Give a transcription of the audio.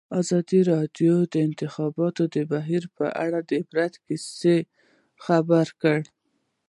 ازادي راډیو د د انتخاباتو بهیر په اړه د عبرت کیسې خبر کړي.